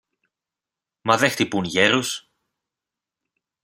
μα δε χτυπούν γέρους!